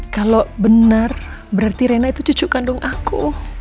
kalau benar berarti rena itu cucu kandung aku